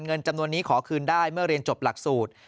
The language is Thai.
เงินจำนวนนี้ขอคืนได้เมื่อเรียนจบหลักสูตร